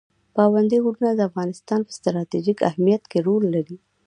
پابندي غرونه د افغانستان په ستراتیژیک اهمیت کې رول لري.